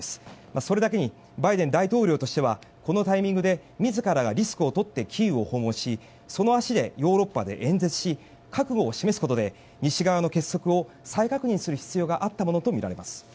それだけにバイデン大統領としてはこのタイミングで自らがリスクを取ってキーウを訪問しその足でヨーロッパで演説し覚悟を示すことで、西側の結束を再確認する必要があったものとみられます。